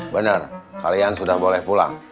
benar kalian sudah boleh pulang